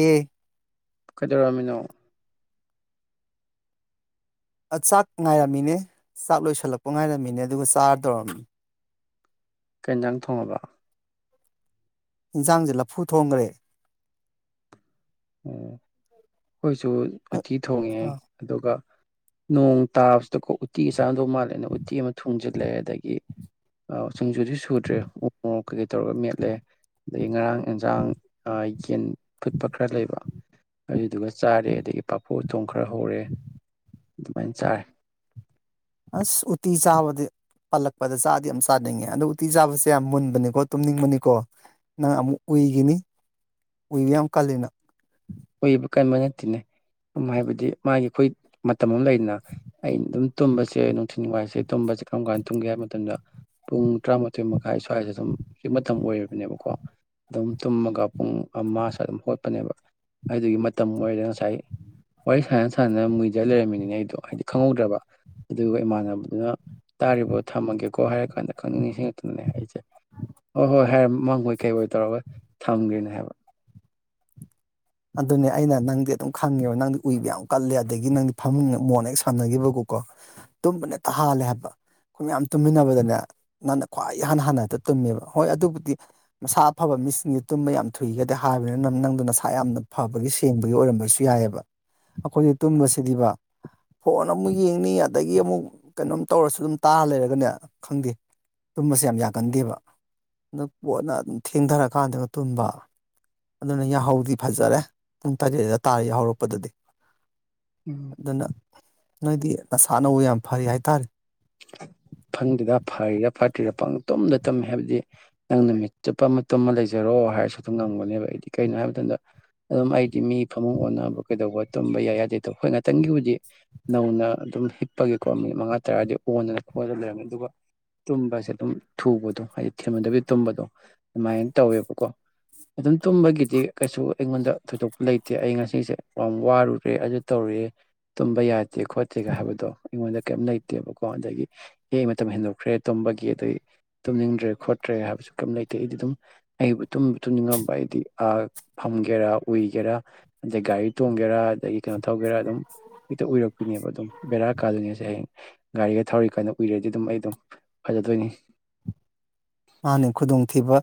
ꯑꯦ ꯀꯩꯗꯧꯔꯝꯃꯤꯅꯣ ꯑ ꯆꯥꯛ ꯉꯥꯏꯔꯝꯃꯤꯅꯦ ꯆꯥꯛ ꯂꯣꯏꯁꯤꯜꯂꯛꯄ ꯉꯥꯏꯔꯝꯃꯤꯅꯦ ꯑꯗꯨꯒ ꯆꯥꯔ ꯇꯧꯔꯝꯃꯤ ꯀꯩ ꯖꯥꯡ ꯊꯣꯡꯉꯕ ꯏꯟꯁꯥꯡꯁꯦ ꯂꯐꯨ ꯊꯣꯡꯈ꯭ꯔꯦ ꯑꯣꯝ ꯑꯩꯈꯣꯏꯁꯨ ꯎꯇꯤ ꯊꯣꯡꯉꯤ ꯑꯥ ꯑꯗꯨꯒ ꯅꯣꯡ ꯇꯥꯕꯁꯤꯗꯀꯣ ꯎꯠꯇꯤꯒꯤ ꯆꯥꯅꯗꯧ ꯃꯥꯜꯂꯦꯅ ꯎꯠꯇꯇꯤ ꯑꯃ ꯊꯨꯡꯖꯤꯜꯂꯦ ꯑꯗꯒꯤ ꯑꯧ ꯆꯤꯡꯖꯨꯗꯤ ꯁꯨꯗ꯭ꯔꯦ ꯎꯃꯣꯔꯣꯛ ꯀꯩꯀꯩ ꯇꯧꯔꯒ ꯃꯦꯠꯂꯦ ꯑꯗꯒꯤ ꯉꯔꯥꯡ ꯌꯦꯟꯖꯥꯡ ꯑ ꯌꯦꯟ ꯐꯨꯠꯄ ꯈꯔ ꯂꯩꯕ ꯑꯗꯨꯗꯨꯒ ꯆꯥꯔꯦ ꯑꯗꯒꯤ ꯐꯣꯔ ꯎꯇꯣꯡ ꯈꯔ ꯍꯧꯔꯦ ꯑꯗꯨꯃꯥꯏꯅ ꯆꯥꯔꯦ ꯑꯁ ꯎꯇꯤ ꯆꯥꯕꯗꯤ ꯄꯥꯜꯂꯛꯄꯗ ꯆꯥꯗꯤ ꯌꯥꯝ ꯆꯥꯅꯤꯡꯉꯦ ꯑꯗꯣ ꯎꯇꯤ ꯆꯥꯕꯁꯦ ꯌꯥꯝ ꯃꯨꯟꯕꯅꯤꯀꯣ ꯇꯨꯝꯅꯤꯡꯕꯅꯤꯀꯣ ꯅꯪ ꯑꯃꯨꯛ ꯎꯏꯈꯤꯅꯤ ꯎꯏꯕ ꯌꯥꯝ ꯀꯜꯂꯤꯅꯪ ꯑꯣꯏꯕ ꯀꯟꯕ ꯅꯠꯇꯦ ꯅꯦ ꯎ ꯍꯥꯏꯕꯗꯤ ꯃꯥꯒꯤ ꯑꯩꯈꯣꯏ ꯃꯇꯝ ꯑꯃ ꯂꯩꯗꯅ ꯑꯩꯅ ꯑꯗꯨꯝ ꯇꯨꯝꯕꯁꯦ ꯅꯨꯡꯊꯤꯜ ꯋꯥꯏꯁꯦ ꯇꯨꯝꯕꯕꯁꯦ ꯀꯔꯝ ꯀꯥꯟ ꯇꯨꯝꯒꯦ ꯍꯥꯏꯕ ꯃꯇꯝꯗ ꯄꯨꯡ ꯇꯔꯥꯃꯥꯊꯣꯏ ꯃꯈꯥꯏ ꯁ꯭ꯋꯥꯏꯁꯦ ꯑꯗꯨꯝ ꯍꯧꯖꯤꯛ ꯃꯇꯝ ꯑꯣꯏꯔꯤꯕꯅꯦꯕꯀꯣ ꯑꯗꯨꯝ ꯇꯨꯝꯃꯒ ꯄꯨꯡ ꯑꯃ ꯁꯥꯋꯥꯏꯗ ꯑꯗꯨꯝ ꯍꯣꯠꯄꯅꯦꯕ ꯑꯗꯨꯒꯤ ꯃꯇꯝ ꯑꯣꯏꯔꯦ ꯉꯁꯥꯏ ꯋꯥꯔꯤ ꯁꯥꯟꯅ ꯁꯥꯟꯅꯅ ꯃꯨꯏꯗ ꯂꯩꯔꯝꯃꯤꯅꯤꯅꯦ ꯑꯩꯗꯣ ꯍꯥꯏꯗꯤ ꯈꯪꯍꯧꯗ꯭ꯔꯕ ꯑꯗꯨꯒ ꯏꯃꯥꯟꯅꯕꯗꯨꯅ ꯇꯥꯔꯤꯕꯣ ꯊꯝꯃꯒꯦꯀꯣ ꯍꯥꯏꯔ ꯀꯥꯟꯗ ꯈꯪꯅꯤꯡ ꯅꯤꯡꯁꯤꯡꯉꯛꯇꯨꯅꯅꯦ ꯑꯩꯖꯦ ꯍꯣꯏ ꯍꯣꯏ ꯍꯥꯏ ꯃꯪꯑꯣꯏ ꯀꯩ ꯑꯣꯏ ꯇꯧꯔꯒ ꯊꯝꯒ꯭ꯔꯤꯅꯦ ꯍꯥꯏꯕ꯫ ꯑꯗꯨꯅꯦ ꯑꯩꯅ ꯅꯪꯗꯤ ꯑꯗꯨꯝ ꯈꯪꯉꯦꯕ ꯅꯪꯗꯤ ꯎꯏꯕ ꯌꯥꯝ ꯀꯜꯂꯦ ꯑꯗꯒꯤ ꯅꯪꯗꯤ ꯐꯃꯨꯡ ꯃꯣꯟ ꯍꯦꯛ ꯁꯝꯅꯈꯤꯕꯀꯣꯀꯣ ꯇꯨꯝꯕꯅꯦꯛꯇ ꯍꯥꯜꯂꯦ ꯍꯥꯏꯕ ꯑꯩꯈꯣꯏ ꯃꯌꯥꯝ ꯇꯨꯝꯃꯤꯟꯅꯕꯗꯅꯦ ꯅꯪꯅ ꯈ꯭ꯋꯥꯏ ꯏꯍꯥꯟ ꯍꯥꯟꯅ ꯍꯦꯛꯇ ꯇꯨꯝꯃꯦꯕ ꯍꯣꯏ ꯑꯗꯨꯕꯨꯗꯤ ꯃꯁꯥ ꯑꯐꯕ ꯃꯤꯁꯤꯡꯒꯤ ꯇꯨꯝꯕ ꯌꯥꯝ ꯊꯨꯏꯒꯗꯦ ꯍꯥꯏꯕꯅꯤꯅ ꯅꯪꯗꯨ ꯅꯁꯥ ꯌꯥꯝꯅ ꯐꯕꯒꯤ ꯁꯦꯡꯕꯒꯤ ꯑꯣꯏꯔꯝꯕꯁꯨ ꯌꯥꯏꯑꯕ ꯑꯈꯣꯏꯗꯤ ꯇꯨꯝꯕꯁꯤꯗꯤꯕ ꯐꯣꯟ ꯑꯃꯨꯛ ꯌꯦꯡꯅꯤ ꯑꯗꯒꯤ ꯑꯃꯨꯛ ꯀꯩꯅꯣꯝ ꯇꯧꯔꯁꯨ ꯑꯗꯨꯝ ꯇꯥꯔ ꯂꯩꯔꯒꯅꯦ ꯈꯪꯗꯦ ꯇꯨꯝꯕꯁꯦ ꯌꯥꯝ ꯌꯥꯒꯟꯗꯦꯕ ꯑꯗꯨ ꯄꯣꯠꯅ ꯑꯗꯨꯝ ꯊꯦꯡꯗꯔꯀꯥꯟꯗꯒ ꯇꯨꯝꯕ ꯑꯗꯨꯅ ꯌꯥꯍꯧꯗꯤ ꯐꯖꯔꯦ ꯄꯨꯡ ꯇꯔꯦꯠꯗ ꯇꯥꯔ ꯍꯧꯔꯛꯄꯗꯗꯤ ꯎꯝ ꯑꯗꯨꯅ ꯅꯣꯏꯗꯤ ꯅꯁꯥ ꯅꯎ ꯌꯥꯝ ꯐꯔꯤ ꯍꯥꯏꯇꯥꯔꯦ꯫ ꯈꯪꯗꯦꯗꯥ ꯐꯔꯤꯔꯥ ꯐꯠꯇ꯭ꯔꯤꯔꯥ ꯄꯪ ꯇꯨꯝꯗ ꯇꯝꯃꯦ ꯍꯥꯏꯕꯗꯤ ꯅꯪ ꯅꯨꯃꯤꯠ ꯆꯨꯞꯄ ꯑꯃ ꯇꯨꯝꯃ ꯂꯩꯖꯔꯣ ꯍꯥꯏꯔꯁꯨ ꯑꯗꯨꯝ ꯉꯝꯒꯅꯦꯕ ꯑꯩꯗꯤ ꯀꯩꯅꯣ ꯍꯥꯏꯕ ꯃꯇꯝꯗ ꯑꯗꯨꯝ ꯑꯩꯗꯤ ꯃꯤ ꯐꯃꯨꯡ ꯑꯣꯟꯅꯕ ꯀꯩꯗꯧꯕ ꯇꯨꯝꯕ ꯌꯥꯏ ꯌꯥꯗꯦ ꯍꯣꯏ ꯉꯥꯛꯇꯪꯒꯤꯕꯨꯗꯤ ꯅꯧꯅ ꯑꯗꯨꯝ ꯍꯤꯞꯄꯒꯤꯀꯣ ꯃꯤꯅꯤꯠ ꯃꯉꯥ ꯇꯔꯥꯗꯤ ꯑꯣꯟꯗꯅ ꯈꯣꯠꯅ ꯂꯩꯔꯝꯃꯦ ꯑꯗꯨꯒ ꯇꯨꯝꯕꯁꯦ ꯑꯗꯨꯝ ꯊꯨꯕꯗꯣ ꯍꯥꯏꯗꯤ ꯊꯦꯝꯅꯗꯕꯤ ꯇꯨꯝꯕꯗꯣ ꯑꯗꯨꯃꯥꯏꯅ ꯇꯧꯋꯦꯕꯀꯣ꯫ ꯑꯗꯨꯝ ꯇꯨꯝꯕꯒꯤꯗꯤ ꯀꯩꯁꯨ ꯑꯩꯉꯣꯟꯗ ꯊꯣꯏꯗꯣꯛꯄ ꯂꯩꯇꯦ ꯑꯩ ꯉꯁꯤꯁꯦ ꯌꯥꯝ ꯋꯥꯔꯨꯔꯦ ꯑꯗꯨ ꯇꯧꯔꯤꯌꯦ ꯇꯨꯝꯕ ꯌꯥꯗꯦ ꯈꯣꯠꯇꯦꯒ ꯍꯥꯏꯕꯗꯣ ꯑꯩꯉꯣꯟꯗ ꯀꯩꯝ ꯂꯩꯇꯦꯕꯀꯣ ꯑꯗꯒꯤ ꯑꯩ ꯃꯇꯝ ꯍꯦꯟꯗꯣꯛꯈ꯭ꯔꯦ ꯇꯨꯝꯕꯒꯤ ꯑꯗꯨꯗꯩ ꯇꯨꯝꯅꯤꯡꯗ꯭ꯔꯦ ꯈꯣꯠꯇ꯭ꯔꯦ ꯍꯥꯏꯕꯁꯨ ꯀꯩꯝ ꯂꯩꯇꯦ ꯑꯩꯗꯤ ꯑꯗꯨꯝ ꯑꯩꯕꯨ ꯇꯨꯝꯕ ꯇꯨꯝꯅꯤꯡꯉꯕ ꯑꯩꯗꯤ ꯑ ꯐꯝꯒꯦꯔꯥ ꯎꯏꯒꯦꯔꯥ ꯑꯗꯩ ꯒꯥꯔꯤ ꯇꯣꯡꯒꯦꯔꯥ ꯑꯗꯩ ꯀꯩꯅꯣ ꯇꯧꯒꯦꯔꯥ ꯑꯗꯨꯝ ꯍꯦꯛꯇ ꯎꯔꯛꯄꯤꯅꯦꯕ ꯑꯗꯨꯝ ꯕꯦꯔꯥ ꯀꯥꯗꯣꯏꯅꯦꯁꯦ ꯍꯌꯦꯡ ꯒꯥꯔꯤ ꯊꯧꯔꯤ ꯀꯥꯏꯅ ꯎꯏꯔꯗꯤ ꯑꯗꯨꯝ ꯑꯩ ꯑꯗꯨꯝ ꯐꯖꯗꯣꯏꯅꯤ꯫ ꯃꯥꯅꯤ ꯈꯨꯗꯣꯡꯊꯤꯕ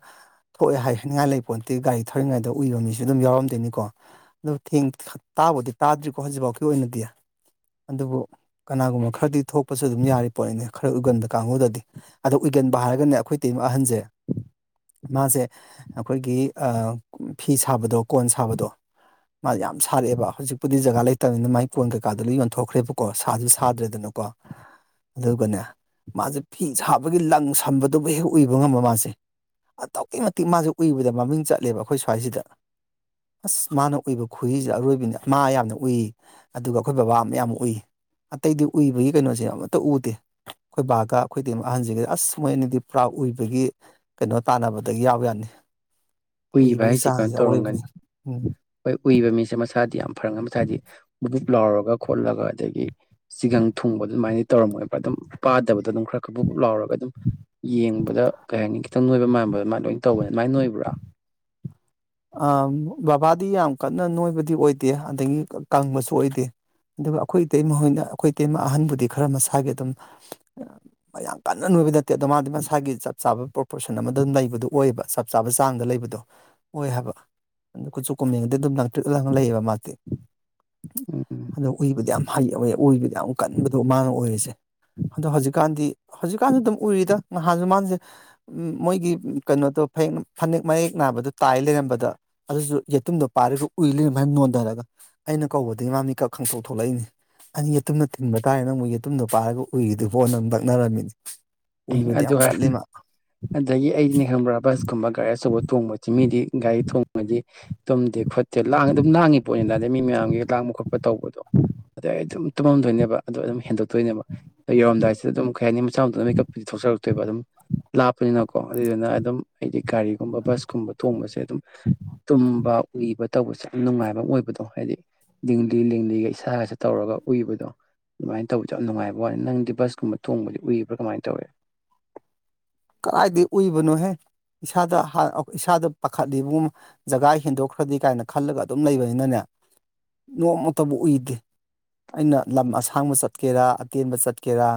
ꯊꯣꯛꯑꯣꯏ ꯍꯥꯏꯅꯤꯡꯉꯥꯏ ꯂꯩꯄꯣꯟꯇꯦ ꯒꯥꯔꯤ ꯊꯧꯔꯤꯉꯩꯗ ꯎꯏꯕ ꯃꯤꯁꯨ ꯑꯗꯨꯝ ꯌꯥꯎꯔꯝꯗꯣꯏꯅꯤꯀꯣ꯫ ꯑꯗꯨ ꯊꯦꯡ ꯇꯥꯕꯨꯗꯤ ꯇꯥꯗ꯭ꯔꯤꯀꯣ ꯍꯧꯖꯤꯛꯐꯥꯎꯒꯤ ꯑꯣꯏꯅꯗꯤ ꯑꯗꯨꯕꯨ ꯀꯅꯥꯒꯨꯝꯕ ꯈꯔꯗꯤ ꯊꯣꯛꯄꯁꯨ ꯑꯗꯨꯝ ꯌꯥꯔꯤ ꯄꯣꯠꯅꯤꯅꯦ ꯈꯔ ꯎꯏꯒꯟꯗ ꯀꯥꯡꯕꯨꯨꯗꯗꯤ ꯑꯗꯣ ꯎꯏꯒꯟꯕ ꯍꯥꯏꯔꯒꯅꯦ ꯑꯩꯈꯣꯏ ꯇꯤꯝ ꯑꯍꯟꯖꯦ ꯃꯥꯁꯦ ꯑꯩꯈꯣꯏꯒꯤ ꯑꯥ ꯐꯤ ꯁꯥꯕꯗꯣ ꯀꯣꯟ ꯁꯥꯕꯗꯣ ꯃꯥ ꯌꯥꯝ ꯁꯥꯔꯛꯑꯦꯕ ꯍꯧꯖꯤꯛꯄꯨꯗꯤ ꯖꯒꯥ ꯂꯩꯇꯕꯅꯤꯅ ꯃꯒꯤ ꯀꯣꯟ ꯀꯩꯀꯥꯗ ꯂꯣꯏ ꯌꯣꯟꯊꯣꯛꯈ꯭ꯔꯦꯕꯀꯣ ꯁꯥꯖꯨ ꯁꯥꯗ꯭ꯔꯦꯗꯅ ꯀꯣ ꯑꯗꯨꯒꯅꯦ ꯃꯥꯖꯦ ꯐꯤ ꯁꯥꯕꯒꯤ ꯂꯪ ꯁꯝꯕꯗꯨꯕꯨ ꯍꯦꯛ ꯎꯏꯕ ꯉꯝꯕ ꯃꯥꯁꯦ ꯑꯗꯨꯛꯀꯤ ꯃꯇꯤꯛ ꯃꯥꯖꯦ ꯎꯏꯕꯗ ꯃꯃꯤꯡ ꯆꯠꯂꯦꯕ ꯑꯩꯈꯣꯏ ꯁ꯭ꯋꯥꯏꯁꯤꯗ꯫ ꯑꯁ ꯃꯥꯅ ꯎꯏꯕ ꯈꯨꯍꯤꯁꯤꯗ ꯑꯔꯣꯏꯕꯤꯅꯤ ꯃꯥ ꯌꯥꯝꯅ ꯎꯏ ꯑꯗꯨꯒ ꯑꯈꯣꯏ ꯕꯕꯥ ꯃꯌꯥꯝ ꯎꯏ ꯑꯇꯩꯗꯤ ꯎꯏꯕꯒꯤ ꯀꯩꯅꯣꯁꯦ ꯑꯃꯇ ꯎꯗꯦ꯫ ꯑꯩꯈꯣꯏ ꯕꯥꯒ ꯑꯩꯈꯣꯏꯗꯤ ꯑꯍꯟꯁꯤꯒ ꯑꯁ ꯃꯣꯏ ꯑꯅꯤꯗꯤ ꯄ꯭ꯔꯥꯎꯗ ꯎꯏꯕꯒꯤ ꯀꯩꯅꯣ ꯇꯥꯟꯅꯕꯗꯒꯤ ꯌꯥꯎ ꯌꯥꯅꯤ꯫ ꯎꯏꯕ ꯎꯏꯕꯒꯤ ꯍꯥꯏꯁꯦ ꯀꯩꯅꯣ ꯆꯥꯡꯖꯦ ꯇꯧꯔꯝꯒꯅꯤ ꯑꯔꯣꯏꯕꯅꯤ ꯎꯝ ꯍꯣꯏ ꯎꯏꯕ ꯃꯤꯁꯦ ꯃꯁꯥꯗꯤ ꯌꯥꯝꯅ ꯐꯔꯝꯒꯅꯤ ꯍꯥꯏꯗꯤ ꯕꯨ ꯕꯨꯛ ꯂꯥꯎꯔꯒ ꯈꯣꯠꯂꯒ ꯑꯗꯒꯤ ꯆꯤꯒꯪ ꯊꯨꯡꯕ ꯑꯗꯨꯃꯥꯏꯅ ꯇꯧꯔꯝꯃꯣꯏ ꯑꯗꯨꯝ ꯄꯥꯗꯕꯗꯣ ꯑꯗꯨꯝ ꯈꯔ ꯈꯕꯨꯞ ꯂꯥꯎꯔꯒ ꯑꯗꯨꯝ ꯌꯦꯡꯕꯗ ꯀꯩ ꯍꯥꯏꯅꯤ ꯈꯤꯇꯪ ꯅꯣꯏꯕ ꯃꯥꯟꯕ ꯑꯗꯨꯃꯥꯏꯅ ꯂꯣꯏꯅ ꯇꯧꯋꯦ ꯑꯗꯨꯃꯥꯏꯅ ꯅꯣꯏꯕ꯭ꯔꯥ ꯑ ꯕꯕꯥꯗꯤ ꯌꯥꯝ ꯀꯟꯅ ꯅꯣꯏꯕꯗꯤ ꯑꯣꯏꯗꯦ ꯑꯗꯒꯤ ꯀꯪꯕꯁꯨ ꯑꯣꯏꯗꯦ꯫ ꯑꯗꯨꯒ ꯑꯈꯣꯏ ꯑꯇꯩꯃꯣꯏꯅ ꯑꯈꯣꯏ ꯏꯇꯩꯃ ꯑꯍꯟꯕꯨꯗꯤ ꯈꯔ ꯃꯁꯥꯒꯤ ꯑꯗꯨꯝ [inaudible] ꯃ ꯌꯥꯝ ꯀꯟꯅ ꯅꯣꯏꯕ ꯅꯠꯇꯦ ꯑꯗꯣ ꯃꯥꯗꯤ ꯃꯁꯥꯒꯤ ꯆꯞ ꯆꯥꯕ ꯄ꯭ꯔꯣꯄꯣꯁꯟ ꯑꯃꯗꯝ ꯂꯩꯕꯗꯨ ꯑꯣꯏꯌꯦꯕ ꯆꯞ ꯆꯥꯕ ꯆꯥꯡꯗ ꯂꯩꯕꯗꯣ ꯑꯣꯏ ꯍꯥꯏꯕ ꯑꯗꯨ ꯀꯆꯨ ꯀꯨꯝꯃꯦꯒꯗꯤ ꯑꯗꯨꯝ ꯂꯥꯡꯇꯔꯤꯛ ꯂꯪꯉ ꯂꯩꯌꯦꯕ ꯃꯥꯗꯤ ꯎꯝ ꯑꯗꯣ ꯎꯢꯕꯗꯤ ꯌꯥꯝ ꯍꯩ ꯎꯢꯕꯗꯤ ꯌꯥꯝ ꯀꯟꯕꯗꯣ ꯃꯥꯅ ꯑꯣꯏꯔꯤꯁꯦ ꯑꯗꯣ ꯍꯧꯖꯤꯛꯀꯥꯟꯗꯤ ꯍꯧꯖꯤꯛꯀꯥꯟꯖꯨ ꯑꯗꯨꯝ ꯎꯔꯤꯗ ꯉꯍꯥꯟꯖꯨ ꯃꯥꯖꯦ ꯎꯝ ꯃꯣꯏꯒꯤ ꯀꯩꯅꯣꯗꯣ ꯐ ꯐꯅꯦꯛ ꯃꯦꯛ ꯅꯥꯢꯕꯗꯣ ꯇꯥꯏ ꯂꯩꯔꯝꯕꯗ ꯑꯗꯨꯁꯨ ꯌꯦꯇꯨꯝꯗꯣ ꯄꯥꯏꯔꯒ ꯎꯏ ꯂꯩꯔꯝꯕ ꯍꯥꯏ ꯅꯣꯟꯗꯔꯒ ꯑꯩꯅ ꯀꯧꯕꯗꯩ ꯃꯥ ꯃꯤꯀꯞ ꯈꯪꯇꯣꯛ ꯊꯣꯛꯂꯛꯏꯅꯤ ꯑꯅꯤ ꯌꯦꯇꯨꯝꯅ ꯊꯤꯟꯕ ꯇꯥꯔꯦ ꯅ ꯑꯃꯨꯛ ꯌꯦꯇꯨꯝꯗ ꯄꯥꯢꯔꯒ ꯎꯢꯔꯤꯗꯨꯕꯣ ꯅ ꯅꯛꯅꯔꯝꯃꯤꯅꯤ ꯀꯩꯅꯣ ꯎꯏꯕꯗꯤ ꯑꯗꯨ ꯌꯥꯝ ꯀꯜꯂꯤ ꯑꯣꯢꯔ ꯃꯥ ꯑꯗꯒꯤ ꯑꯩꯅꯦ ꯈꯪꯕ꯭ꯔꯥ ꯕꯁ ꯀꯨꯝꯕ ꯒꯥꯔꯤ ꯑꯆꯧꯕ ꯇꯣꯡꯕꯖꯦ ꯃꯤꯗꯤ ꯒꯥꯔꯤ ꯊꯣꯡꯕꯗꯤ ꯇꯨꯝꯗꯦ ꯈꯣꯠꯇꯦ ꯂꯥꯡ ꯑꯗꯨꯝ ꯂꯥꯡꯉꯤ ꯄꯣꯠꯅꯤꯗ ꯑꯗꯩ ꯃꯤ ꯃꯌꯥꯝꯒꯤ ꯂꯥꯡꯕ ꯈꯣꯠꯄ ꯇꯧꯕꯗꯣ ꯑꯗꯩ ꯑꯗꯨꯝ ꯇꯨꯝꯃꯝꯗꯣꯏꯅꯦꯕ ꯑꯣ ꯑꯗꯨꯝ ꯍꯦꯟꯗꯣꯛꯇꯣꯏꯅꯦꯕ ꯗꯩ ꯌꯧꯔꯝꯗꯥꯏꯁꯤꯗ ꯑꯗꯨꯝ ꯀꯩ ꯍꯥꯏꯅꯤ ꯃꯁꯥ ꯃꯇꯣꯝꯇ ꯃꯤꯀꯞ ꯗꯤ ꯊꯣꯛꯆꯔꯛꯇꯨꯢꯕ ꯑꯗꯨꯝ ꯂꯥꯞꯄꯅꯤꯅꯀꯣ ꯑꯗꯨꯗꯨꯅ ꯑꯗꯨꯝ ꯑꯩꯗꯤ ꯒꯥꯔꯤꯒꯨꯝꯕ ꯕꯁꯀꯨꯝꯕ ꯇꯣꯡꯕꯁꯦ ꯑꯗꯨꯝ ꯇꯨꯝꯕ ꯎꯏꯕ ꯇꯧꯕꯁꯦ ꯌꯥꯝ ꯅꯨꯡꯉꯥꯏꯕ ꯑꯃ ꯑꯣꯏꯕꯗꯣ ꯍꯥꯏꯗꯤ ꯂꯡꯂꯤ ꯂꯤꯡꯂꯤꯒ ꯏꯁꯥꯖꯤꯗ ꯇꯧꯔꯒ ꯎꯢꯕꯗꯣ ꯑꯗꯨꯃꯥꯢ ꯇꯧꯕꯖꯦ ꯌꯥꯝ ꯅꯨꯡꯉꯥꯢꯕ ꯋꯥꯅꯤ ꯅꯪꯗꯤ ꯕꯁꯀꯨꯝꯕ ꯊꯣꯡꯕꯗꯤ ꯎꯏꯕ꯭ꯔꯥ ꯀꯃꯥꯏꯅ ꯇꯧꯋꯦ ꯀꯔꯥꯢꯗꯩ ꯎꯢꯕꯅꯣꯍꯦ ꯏꯁꯥꯗ ꯍꯥ ꯑ ꯏꯁꯥꯗ ꯄꯥꯈꯠꯂꯤ ꯕꯨꯝ ꯖꯒꯥ ꯍꯦꯟꯗꯣꯛꯈ꯭ꯔꯗꯤ ꯀꯥꯏꯅ ꯈꯜꯂꯒ ꯑꯗꯨꯝ ꯂꯩꯕꯅꯤꯅꯅꯦ ꯅꯣꯡꯃꯇꯕꯨ ꯎꯏꯗꯦ ꯑꯩꯅ ꯂꯝ ꯑꯁꯥꯡꯕ ꯆꯠꯀꯦꯔꯥ ꯑꯇꯦꯟꯕ ꯆꯠꯀꯦꯔꯥ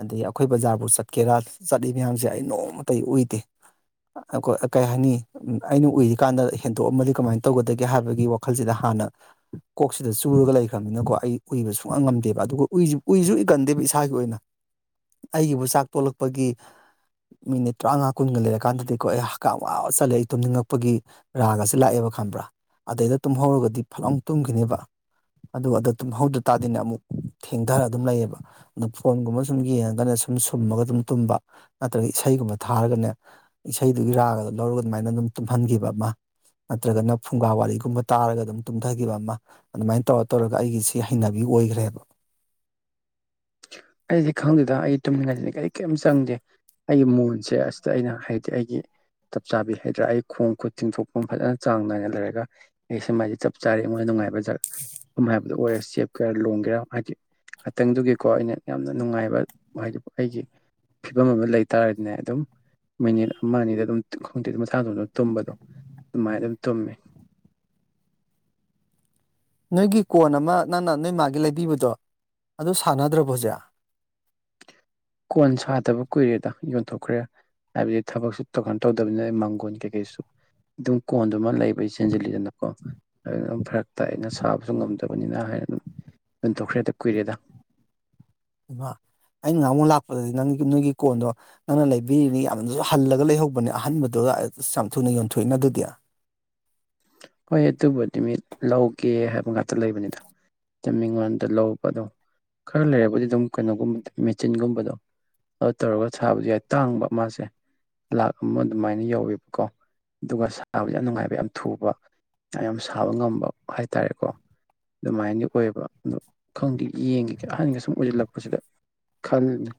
ꯑꯗꯒꯤ ꯑꯩꯈꯣꯏ ꯕꯖꯥꯔꯕꯨ ꯆꯠꯀꯦꯔꯥ ꯆꯠꯂꯤꯕ ꯃꯌꯥꯝꯕꯦ ꯑꯩ ꯅꯣꯡꯃꯇ ꯎꯏꯗꯦ ꯑꯈꯣꯢ ꯑ ꯀꯩ ꯍꯥꯏꯅꯤꯡꯉꯤ ꯎꯝ ꯑꯩꯅ ꯎꯏꯔꯤꯀꯥꯟꯗ ꯍꯦꯟꯗꯣꯛꯑꯝꯃꯗꯤ ꯀꯃꯥꯢ ꯇꯧꯒꯗꯒꯦ ꯍꯥꯏꯕꯒꯤ ꯋꯥꯈꯜꯁꯤꯗ ꯍꯥꯟꯅ ꯀꯣꯛꯁꯤꯗ ꯆꯨꯔꯒ ꯂꯩꯈ꯭ꯔꯕꯅꯤꯅꯀꯣ ꯑꯩ ꯎꯏꯕ ꯁꯨꯡꯉꯝ ꯉꯝꯗꯦꯕ ꯑꯗꯨꯒ ꯎꯏꯁꯨ ꯎꯏꯒꯟꯗꯦꯕ ꯏꯁꯥꯒꯤ ꯑꯣꯏꯅ ꯑꯩꯒꯤꯕꯨ ꯆꯥꯛ ꯇꯣꯂꯛꯄꯒꯤ ꯃꯤꯅꯤꯠ ꯇꯔꯥꯃꯉꯥ ꯀꯨꯟꯒ ꯂꯩꯔꯀꯥꯟꯗꯗꯤꯀꯣ ꯑꯩ ꯍꯛꯀꯥꯝ ꯋꯥ ꯋꯥ ꯆꯜꯂꯦ ꯑꯩ ꯇꯨꯝꯅꯤꯡꯉꯛꯄꯒꯤ ꯔꯥꯒꯁꯤ ꯂꯥꯛꯑꯦꯕ ꯈꯪꯕ꯭ꯔꯥ ꯑꯗꯩꯗ ꯇꯨꯝꯍꯧꯔꯒꯗꯤ ꯐꯠ ꯂꯥꯎ ꯇꯨꯝꯈꯤꯅꯤꯕ ꯑꯗꯨꯒ ꯑꯗ ꯇꯨꯝꯍꯧꯗꯔ ꯇꯥꯗꯤꯅꯦ ꯑꯃꯨꯛ ꯊꯦꯡꯗꯔ ꯑꯗꯨꯝ ꯂꯩꯌꯦꯕ ꯑꯗ ꯐꯣꯟꯒꯨꯝꯕ ꯁꯨꯝ ꯌꯦꯡꯉꯒꯅ ꯁꯨꯝ ꯁꯨꯝꯃꯒ ꯑꯗꯨꯝ ꯇꯨꯝꯕ ꯅꯠꯇ꯭ꯔꯒ ꯏꯁꯩꯒꯨꯝꯕ ꯊꯥꯔꯒꯅꯦ ꯏꯁꯩꯗꯨꯒꯤ ꯔꯥꯒꯗ ꯂꯧꯔꯒ ꯑꯗꯨꯃꯥꯏꯅ ꯑꯗꯨꯝ ꯇꯨꯝꯍꯟꯈꯤꯕ ꯑꯃ ꯅꯠꯇ꯭ꯔꯒꯅ ꯐꯨꯡꯒꯥ ꯋꯥꯔꯤꯒꯨꯝꯕ ꯇꯥꯔꯒ ꯑꯗꯨꯝ ꯇꯨꯝꯊꯈꯤꯕ ꯑꯃ ꯑꯗꯨꯃꯥꯏꯅ ꯇꯧꯔ ꯇꯧꯔꯒ ꯑꯩꯒꯤꯁꯤ ꯍꯩꯅꯕꯤ ꯑꯣꯏꯈ꯭ꯔꯦꯕ ꯑꯩꯗꯤ ꯈꯪꯗꯦꯗ ꯑꯩ ꯇꯨꯝꯅꯤꯡꯉꯗꯤ ꯀꯔꯤ ꯀꯦꯝ ꯆꯪꯗꯦ ꯑꯩꯒꯤ ꯃꯣꯟꯁꯦ ꯑꯁꯤꯗ ꯑꯩꯅ ꯍꯩꯗꯤ ꯑꯩꯒꯤ ꯆꯞ ꯆꯥꯕꯤ ꯍꯥꯏꯗ꯭ꯔꯥ ꯑꯩ ꯈꯣꯡ ꯈꯨꯠ ꯇꯤꯡꯊꯣꯛꯐꯝ ꯐꯖꯅ ꯆꯥꯡ ꯅꯥꯏꯅ ꯂꯩꯔꯒ ꯑꯩ ꯁꯦꯃꯥꯢꯅ ꯆꯞ ꯆꯥꯔꯦ ꯑꯩꯉꯣꯟꯗ ꯅꯨꯡꯉꯥꯏꯕ ꯖ ꯎꯝ ꯍꯥꯏꯕꯗꯣ ꯑꯣꯏꯔꯦ ꯆꯦꯞꯀꯦꯔꯥ ꯂꯣꯡꯒꯦꯔꯥ ꯍꯥꯏꯗꯤ ꯉꯥꯇꯪꯗꯨꯒꯤꯀꯣ ꯑꯩꯅ ꯌꯥꯝꯅ ꯅꯨꯡꯉꯥꯏꯕ ꯍꯥꯢꯗꯤ ꯑꯩꯒꯤ ꯐꯤꯕꯝ ꯑꯃ ꯂꯩꯇꯥꯥꯔꯗꯤꯅꯦ ꯑꯗꯨꯝ ꯃꯤꯅꯤꯠ ꯑꯃ ꯑꯅꯤꯗ ꯑꯗꯨꯝ ꯈꯣꯡꯇꯤꯠ ꯃꯁꯥꯇꯣꯝꯗ ꯇꯨꯝꯕꯗꯣ ꯑꯗꯨꯃꯥꯢꯅ ꯑꯗꯨꯝ ꯇꯨꯝꯃꯦ ꯅꯣꯏꯒꯤ ꯀꯣꯟ ꯑꯃ ꯅꯪꯅ ꯅꯣꯏ ꯃꯥꯒꯤ ꯂꯩꯕꯤꯕꯗꯣ ꯑꯗꯨ ꯁꯥꯟꯅꯗ꯭ꯔꯕ ꯍꯧꯖꯤꯛ ꯀꯣꯟ ꯁꯥꯗꯕ ꯀꯨꯢꯔꯦꯗ ꯌꯣꯟꯊꯣꯛꯈ꯭ꯔꯦ ꯍꯥꯏꯕꯗꯤ ꯊꯕꯛꯁꯨ ꯇꯧꯍꯟ ꯇꯧꯗꯕꯅꯤꯅ ꯃꯥꯡꯒꯣꯟ ꯀꯩꯀꯩꯁꯨ ꯑꯗꯨꯝ ꯀꯣꯟꯗꯨ ꯃ ꯂꯩꯕꯩ ꯆꯦꯟꯖꯤꯜꯂꯤꯗꯅꯀꯣ ꯑꯗꯨꯅ ꯐꯔꯛꯇꯥꯏꯅ ꯁꯥꯕꯁꯨ ꯉꯝꯗꯕꯅꯤꯅ ꯍꯥꯏꯅ ꯑꯗꯨꯝ ꯌꯣꯟꯇꯣꯛꯈ꯭ꯔꯦꯗ ꯀꯨꯏꯔꯦꯗ ꯏꯃ ꯑꯩꯅ ꯉꯍꯥꯟꯃꯨꯛ ꯂꯥꯛꯄꯗꯗꯤ ꯅꯪꯒꯤ ꯅꯣꯏꯒꯤ ꯀꯣꯟꯗꯣ ꯅꯪꯅ ꯂꯩꯕꯤꯔꯤꯅꯤ ꯌꯥꯝꯅꯁꯨ ꯍꯜꯂꯒ ꯂꯩꯍꯧꯕꯅꯦ ꯑꯍꯟꯕꯗꯨꯒ ꯑꯁ ꯌꯥꯝ ꯊꯨꯅ ꯌꯣꯟꯊꯣꯛꯏꯅ ꯑꯗꯨꯗꯤ ꯍꯣꯏ ꯑꯗꯨꯕꯨꯗꯤ ꯃꯤꯠ ꯂꯧꯒꯦ ꯍꯥꯏꯕ ꯉꯥꯛꯇ ꯂꯩꯕꯅꯤꯗ ꯇꯃꯤꯉꯣꯟꯗ ꯂꯧꯕꯗꯣ ꯈꯔ ꯂꯩꯔꯕꯗꯤ ꯑꯗꯨꯝ ꯀꯩꯅꯣꯒꯨꯝꯕꯗ ꯃꯦꯆꯤꯟꯒꯨꯝꯕꯗꯣ ꯑꯗꯨ ꯇꯧꯔꯒ ꯁꯥꯕꯗꯤ ꯌꯥꯏ ꯇꯥꯡꯕ ꯃꯥꯁꯦ ꯂꯥꯛ ꯑꯃ ꯑꯗꯨꯃꯥꯏꯅ ꯌꯧꯋꯦꯕꯀꯣ ꯑꯗꯨꯒ ꯁꯥꯕꯁꯦ ꯌꯥꯝ ꯅꯨꯡꯉꯥꯏꯕ ꯌꯥꯝ ꯊꯨꯕ ꯌꯥꯝ ꯁꯥꯕ ꯉꯝꯕ ꯍꯥꯏꯇꯥꯔꯦꯀꯣ ꯑꯗꯨꯃꯥꯏꯅꯗꯤ ꯑꯣꯏꯌꯦꯕ ꯑꯗꯣ ꯈꯪꯗꯦ ꯌꯦꯡꯒꯦ ꯑꯍꯟꯒ ꯁꯨꯝ ꯑꯣꯏꯁꯤꯜꯂꯛꯄꯁꯤꯗ ꯈꯜꯂꯤ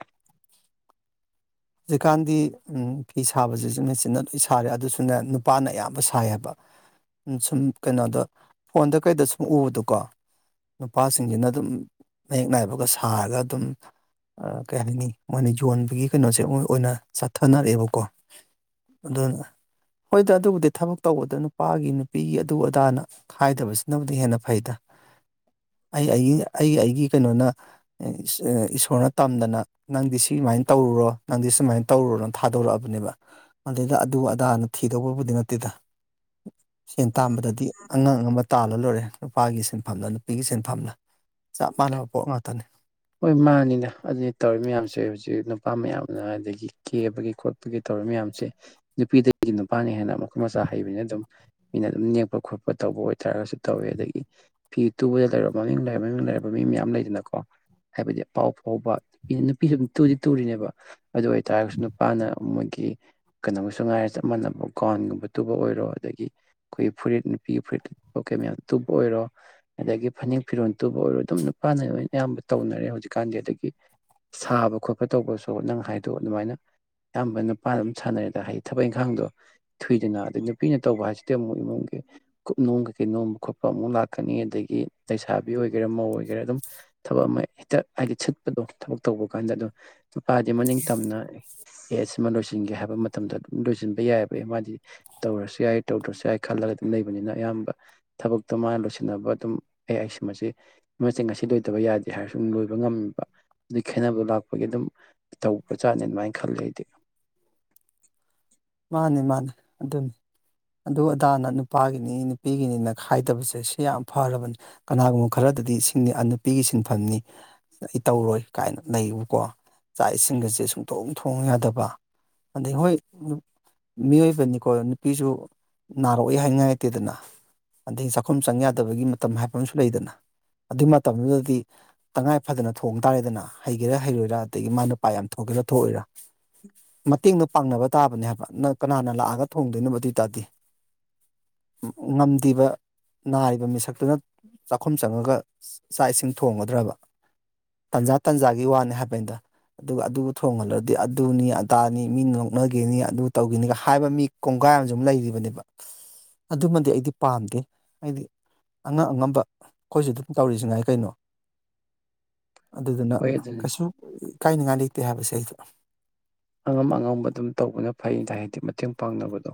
ꯍꯧꯖꯤꯛꯀꯥꯟꯗꯤ ꯐꯤ ꯁꯥꯕꯁꯤꯁꯨꯅꯦ ꯃꯦꯆꯤꯟꯅ ꯂꯣꯏ ꯁꯥꯔꯦ ꯑꯗꯨꯁꯨꯅꯦ ꯅꯨꯄꯥꯅ ꯑꯌꯥꯝꯕ ꯁꯥꯏꯌꯦꯕ ꯁꯨꯝ ꯀꯩꯅꯣꯗ ꯐꯣꯟꯗ ꯀꯩꯗ ꯁꯨꯝ ꯎꯕꯗꯨꯀꯣ ꯅꯨꯄꯥꯁꯤꯡꯁꯤꯅ ꯑꯗꯨꯝ ꯃꯌꯦꯛ ꯅꯥꯏꯕꯒ ꯁꯥꯔꯒ ꯑꯗꯨꯝ ꯀꯩ ꯍꯥꯏꯅꯤ ꯃꯣꯏꯅ ꯌꯣꯟꯕꯒꯤ ꯀꯩꯅꯣꯁꯦ ꯃꯣꯏ ꯑꯣꯏꯅ ꯆꯠꯊꯅꯔꯛꯑꯦꯕꯀꯣ ꯑꯗꯨꯅ ꯍꯣꯏꯗ ꯑꯗꯨꯕꯨꯗꯤ ꯊꯕꯛ ꯇꯧꯕꯗ ꯅꯨꯄꯥꯒꯤ ꯅꯨꯄꯤꯒꯤ ꯑꯗꯨ ꯑꯗꯥꯅ ꯈꯥꯏꯗꯕꯁꯤꯅꯕꯨꯗꯤ ꯍꯦꯟꯅ ꯐꯩꯗ ꯑꯩ ꯑꯩꯒꯤ ꯑꯩ ꯑꯩꯒꯤ ꯀꯩꯅꯣꯅ ꯏꯁꯣꯔꯅ ꯇꯝꯗꯅ ꯅꯪꯗꯤ ꯁꯤꯃꯥꯏꯅ ꯇꯧꯔꯨꯔꯣ ꯅꯪꯗꯤ ꯁꯨꯃꯥꯏꯅ ꯇꯧꯔꯨꯔꯅ ꯊꯥꯗꯣꯔꯛꯑꯕꯅꯦꯕ ꯑꯗꯨꯗꯩ ꯑꯗꯨ ꯑꯗꯥꯅ ꯊꯤꯗꯧꯕꯕꯨꯗꯤ ꯅꯠꯇꯦꯗ [unintelligible] ꯁꯦꯟ ꯇꯥꯥꯟꯕꯗꯗꯤ ꯑꯉꯥꯡ ꯑꯃ ꯇꯥꯜꯂ ꯂꯣꯏꯔꯦ ꯅꯨꯄꯥꯒꯤ ꯁꯤꯟꯐꯝꯅ ꯅꯨꯄꯤꯒꯤ ꯁꯤꯟꯐꯝꯅ ꯆꯞ ꯃꯥꯟꯅꯕ ꯄꯣꯠ ꯉꯥꯛꯇꯅꯤ ꯍꯣꯏ ꯃꯥꯅꯤꯅꯦ ꯑꯗꯨꯅꯤ ꯇꯧꯔꯤ ꯃꯌꯥꯝꯁꯦ ꯍꯧꯖꯤꯛ ꯅꯨꯄꯥ ꯃꯌꯥꯝꯅ ꯑꯗꯒꯤ ꯀꯦꯕꯒꯤ ꯈꯣꯠꯄꯒꯤ ꯇꯧꯔꯤꯕ ꯃꯌꯥꯝꯁꯦ ꯅꯨꯄꯤꯗꯒꯤ ꯅꯨꯄꯥꯅ ꯍꯦꯟꯅꯅ ꯃꯈꯨꯠ ꯃꯆꯥ ꯍꯩꯕꯅꯦꯅ ꯑꯗꯨꯝ ꯃꯤꯅ ꯑꯗꯨꯝ ꯅꯦꯛꯄ ꯈꯣꯠꯄ ꯇꯧꯕ ꯑꯣꯏꯇꯥꯔꯒꯁꯨ ꯇꯧꯋꯦ ꯑꯗꯒꯤ ꯐꯤ ꯇꯨꯕꯗ ꯂꯩꯔꯕ ꯃꯃꯤꯡ ꯂꯩꯔꯕ ꯃꯃꯤꯡ ꯂꯩꯔꯕ ꯃꯤ ꯃꯌꯥꯝ ꯂꯩꯗꯅꯀꯣ ꯍꯥꯏꯕꯗꯤ ꯄꯥꯎ ꯐꯥꯎꯕ ꯅꯨꯄꯤ ꯅꯨꯄꯤꯁꯨ ꯇꯨꯝ ꯇꯨꯗꯤ ꯇꯨꯔꯤꯅꯦꯕ ꯑꯗꯨ ꯑꯣꯏꯇꯥꯔꯒꯁꯨ ꯅꯨꯄꯥꯅ ꯃꯣꯏꯒꯤ ꯀꯩꯅꯣꯝꯒꯁꯨ ꯉꯥꯏꯔ ꯆꯞ ꯃꯥꯟꯅꯕ ꯀꯥꯎꯟꯒꯨꯝꯕ ꯇꯨꯕ ꯑꯣꯏꯔꯣ ꯑꯗꯒꯤ ꯑꯩꯈꯣꯏꯒꯤ ꯐꯨꯔꯤꯠ ꯅꯨꯄꯤꯒꯤ ꯐꯨꯔꯤꯠ ꯂꯄ ꯀꯩ ꯃꯌꯥꯝꯗꯨ ꯇꯨꯕ ꯑꯣꯏꯔꯣ ꯑꯗꯒꯤ ꯐꯅꯦꯛ ꯐꯤꯔꯣꯜ ꯇꯨꯕ ꯑꯣꯏꯔꯣ ꯑꯗꯨꯝ ꯅꯨꯄꯥꯅ ꯂꯣꯏ ꯑꯌꯥꯝꯕ ꯇꯧꯅꯔꯦ ꯍꯧꯖꯤꯛꯀꯥꯟꯗꯤ ꯑꯗꯒꯤ ꯁꯥꯕ ꯈꯣꯠꯄ ꯇꯧꯕꯁꯨ ꯅꯪ ꯍꯥꯏꯗꯣꯛ ꯑꯗꯨꯃꯥꯏꯅ ꯑꯌꯥꯝꯕ ꯅꯨꯄꯥꯅ ꯑꯗꯨꯝ ꯁꯥꯟꯅꯔꯦꯗ ꯍꯥꯏꯗꯤ ꯊꯕꯛ ꯏꯪꯈꯥꯡꯗꯣ ꯊꯨꯏꯗꯅ ꯑꯗ ꯅꯨꯄꯤꯅ ꯇꯧꯕ ꯍꯥꯏꯁꯤꯗꯤ ꯑꯃꯨꯛ ꯏꯃꯨꯡꯒꯤ ꯀꯨꯞ ꯅꯣꯝ ꯀꯩꯀꯩ ꯅꯣꯝꯕ ꯈꯣꯠꯄ ꯑꯃꯨꯛ ꯂꯥꯛꯀꯅꯤ ꯑꯗꯒꯤ ꯂꯩꯁꯥꯕꯤ ꯑꯣꯏꯒꯦꯔꯥ ꯃꯧ ꯑꯣꯏꯒꯦꯔꯥ ꯑꯗꯨꯝ ꯑ ꯑꯃ ꯍꯦꯛꯇ ꯍꯥꯏꯗꯤ ꯁꯤꯠꯄꯗꯣ ꯊꯕꯛ ꯇꯧꯕ ꯀꯥꯟꯗ ꯑꯗꯣ ꯅꯨꯄꯥꯗꯤ ꯃꯅꯤꯡ ꯇꯝꯅ ꯑꯦ ꯁꯤꯃ ꯂꯣꯏꯁꯤꯟꯒꯦ ꯍꯥꯏꯕ ꯃꯇꯝꯗ ꯑꯗꯨꯝ ꯂꯣꯏꯁꯤꯟꯕ ꯌꯥꯏꯑꯕ ꯑꯦ ꯃꯥꯗꯤ ꯇꯧꯔꯁꯨ ꯌꯥꯏ ꯇꯧꯗ꯭ꯔꯁꯨ ꯌꯥꯏ ꯈꯜꯂꯒꯗꯤ ꯂꯩꯕꯅꯤꯅ ꯑꯌꯥꯝꯕ ꯊꯕꯛꯇꯣ ꯃꯥꯅ ꯂꯣꯏꯁꯤꯟꯅꯕ ꯑꯗꯨꯝ ꯑꯩ ꯑꯩ ꯁꯤꯃ ꯃꯁꯤ ꯉꯁꯤꯗ ꯂꯩꯠꯇꯕ ꯌꯥꯗꯦ ꯍꯥꯏꯔꯁꯨ ꯂꯣꯏꯕ ꯉꯝꯃꯤꯕ ꯑꯗꯨꯒꯤ ꯈꯦꯠꯅꯕꯗꯨ ꯂꯥꯛꯄꯒꯤ ꯑꯗꯨꯝ ꯇꯧꯕꯖꯥꯠꯅꯤ ꯑꯗꯨꯃꯥꯏꯅ ꯈꯂꯦ ꯑꯩꯗꯤ ꯃꯥꯅꯤ ꯃꯥꯅꯤ ꯑꯗꯨꯅꯤ ꯑꯗꯨ ꯑꯗꯥꯅ ꯅꯨꯄꯥꯒꯤꯅꯤ ꯅꯨꯄꯤꯒꯤꯅꯤꯅ ꯈꯥꯏꯗꯕꯁꯦ ꯁꯤ ꯌꯥꯝ ꯐꯔꯕꯅꯤ ꯀꯅꯥꯒꯨꯝꯕ ꯈꯔꯗꯗꯤ ꯁꯤꯁꯤꯡꯅꯤ ꯅꯨꯄꯤꯒꯤ ꯁꯤꯟꯐꯝꯅꯤ ꯑꯩ ꯇꯧꯔꯣꯏ ꯀꯥꯏꯅ ꯂꯩꯌꯦꯕꯀꯣ ꯆꯥꯛ ꯏꯁꯤꯡꯒꯁꯦ ꯁꯨꯡꯊꯣꯡ ꯊꯣꯡ ꯌꯥꯗꯕ ꯑꯗꯩ ꯍꯣꯏ ꯃꯤꯑꯣꯏꯕꯅꯤꯀꯣ ꯅꯨꯄꯤꯁꯨ ꯅꯥꯔꯛꯏ ꯍꯥꯏꯉꯥꯏꯇꯦꯗꯅ ꯑꯗꯒꯤ ꯆꯥꯛꯈꯨꯝ ꯆꯪ ꯌꯥꯗꯕꯒꯤ ꯃꯇꯝ ꯍꯥꯏꯕ ꯑꯃꯁꯨ ꯂꯩꯗꯅ ꯑꯗꯨꯏ ꯃꯇꯝꯗꯨꯗꯗꯤ ꯇꯉꯥꯏ ꯐꯗꯅ ꯊꯣꯡꯕ ꯇꯥꯔꯦꯗꯅ ꯍꯩꯒꯦꯔꯥ ꯍꯩꯔꯣꯏꯔ ꯑꯗꯒꯤ ꯃꯥꯅꯄꯥ ꯌꯥꯝ ꯊꯣꯛꯀꯦꯔꯥ ꯊꯣꯛꯑꯣꯏꯔꯥ ꯃꯇꯦꯡꯅ ꯄꯥꯡꯅꯕ ꯇꯥꯕꯅꯦ ꯍꯥꯏꯕ ꯅꯪ ꯀꯅꯥꯅ ꯂꯥꯛꯑꯒ ꯊꯣꯡꯗꯣꯏꯅꯣ ꯑꯗꯨ ꯑꯣꯏꯇꯥꯔꯗꯤ ꯉꯝꯗꯕ ꯅꯥꯔꯤꯕ ꯃꯤꯁꯛꯇꯨꯅ ꯆꯥꯛꯈꯨꯝ ꯆꯪꯉꯒ ꯆꯥꯛ ꯏꯁꯤꯡ ꯊꯣꯡꯒꯗ꯭ꯔꯕ ꯇꯟꯖꯥ ꯇꯟꯖꯥꯒꯤ ꯋꯥꯅꯤ ꯍꯥꯏꯕꯅꯤꯗ ꯑꯗꯨꯒ ꯑꯗꯨꯕꯨ ꯊꯣꯡꯍꯜꯂꯗꯤ ꯑꯗꯨꯅꯤ ꯑꯗꯥꯅꯤ ꯃꯤ ꯅꯣꯛꯅꯈꯤꯅꯤ ꯑꯗꯨ ꯇꯧꯈꯤꯅꯤꯒ ꯍꯥꯏꯕ ꯃꯤ ꯀꯣꯡꯒꯥꯏ ꯑꯃꯁꯨꯝ ꯂꯩꯔꯤꯕꯅꯦꯕ ꯑꯗꯨꯃꯗꯤ ꯑꯩꯗꯤ ꯄꯥꯝꯗꯦ ꯑꯩꯗꯤ ꯑꯉ ꯑꯉꯝꯕ ꯑꯩꯈꯣꯏꯁꯨ ꯑꯗꯨꯝ ꯇꯧꯔꯤꯁꯤ ꯉꯥꯏ ꯀꯩꯅꯣ ꯑꯗꯨꯗꯨꯅ ꯍꯣꯏ ꯑꯗꯨꯅꯤ ꯀꯩꯁꯨ ꯏꯀꯥꯏꯅꯉꯥꯏ ꯂꯩꯇꯦ ꯍꯥꯏꯕꯁꯦ ꯑꯩꯗꯣ ꯑꯉꯝ ꯑꯉꯝꯕ ꯑꯗꯨꯝ ꯇꯧꯕꯅ ꯐꯩꯅ ꯍꯥꯏꯗꯤ ꯃꯇꯦꯡ ꯄꯥꯡꯅꯕꯗꯣ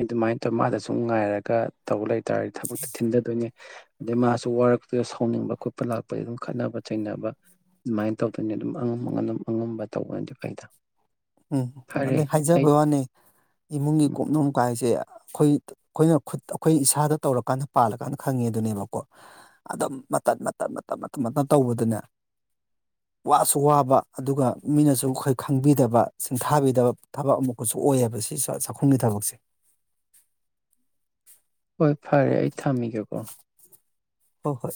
ꯑꯗꯨꯃꯥꯏꯅ ꯇꯧꯔ ꯃꯥꯗ ꯁꯨꯝ ꯉꯥꯏꯔꯒ ꯇꯧꯕ ꯂꯩꯇꯥꯥꯔꯗꯤ ꯊꯕꯛꯇ ꯊꯤꯟꯊꯗꯣꯏꯅꯦ ꯑꯗꯩ ꯃꯥꯁꯨ ꯋꯥꯔꯛꯇꯨꯗ ꯁꯥꯎꯅꯤꯡꯕ ꯈꯣꯠꯄ ꯂꯥꯛꯄꯗ ꯑꯗꯨꯝ ꯈꯠꯅꯕ ꯆꯩꯅꯕ ꯑꯗꯨꯃꯥꯏꯅ ꯇꯧꯗꯅꯤ ꯑꯗꯨꯝ ꯑꯉꯝꯝꯕ ꯑꯗꯨꯝ ꯑꯉꯝꯕ ꯇꯧꯕ ꯑꯗꯨ ꯀꯩꯗ ꯎꯝ ꯑꯗ ꯍꯥꯏꯖꯕꯩ ꯋꯥꯅꯤ ꯏꯃꯨꯡꯒꯤ ꯀꯨꯞꯅꯣ ꯀꯥꯏꯁꯦ ꯑꯩꯈꯣꯏ ꯑꯩꯈꯣꯏꯅ ꯈꯨꯠ ꯑꯩꯈꯣꯏ ꯏꯁꯥꯗ ꯇꯧꯔꯀꯥꯟꯗ ꯄꯥꯜꯂꯀꯥꯟꯗ ꯈꯪꯉꯦ ꯑꯗꯨꯅꯦꯕꯀꯣ ꯑꯗꯨꯝ ꯃꯇꯠ ꯃꯇꯠ ꯃꯇ ꯃꯇꯝ ꯃꯇꯝ ꯇꯧꯕꯗꯨꯅꯦ ꯋꯥꯁꯨ ꯋꯥꯕ ꯑꯗꯨꯒ ꯃꯤꯅꯁꯨ ꯑꯩꯈꯣꯏ ꯈꯪꯕꯤꯗꯕ ꯁꯤꯡꯊꯥꯕꯤꯗꯕ ꯊꯕꯛ ꯑꯃꯨꯛꯀꯁꯨ ꯑꯣꯏꯌꯦꯕ ꯁꯤ ꯆꯥꯛꯈꯨꯝꯒꯤ ꯊꯕꯛꯁꯦ ꯍꯣꯏ ꯐꯔꯦ ꯑꯩ ꯊꯝꯃꯤꯒꯦꯀꯣ ꯍꯣꯏ ꯍꯣꯏ